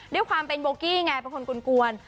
ด้วยความเป็นโบกี้ไงเป็นคนกลวน